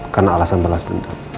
karena alasan balas dendam